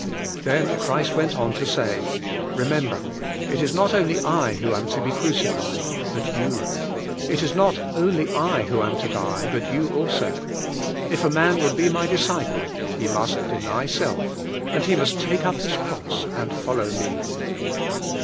Then Christ went on to say, "Remember, it is not only I who am to be crucified, but you; it is not only I who am to die, but you also. If a man would be my disciple, he must deny self, and he must take up liis cross and follow me."